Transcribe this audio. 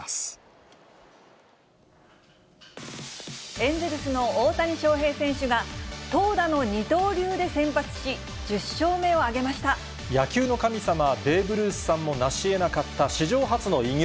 エンゼルスの大谷翔平選手が、投打の二刀流で先発し、野球の神様、ベーブ・ルースさんもなしえなかった史上初の偉業。